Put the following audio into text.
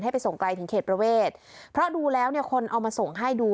ไปส่งไกลถึงเขตประเวทเพราะดูแล้วเนี่ยคนเอามาส่งให้ดู